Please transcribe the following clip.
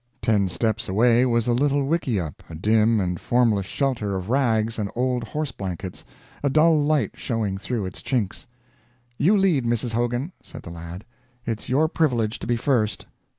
Ten steps away was a little wickieup, a dim and formless shelter of rags and old horse blankets, a dull light showing through its chinks. "You lead, Mrs. Hogan," said the lad. "It's your privilege to be first."